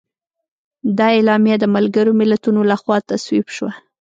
دا اعلامیه د ملګرو ملتونو لخوا تصویب شوه.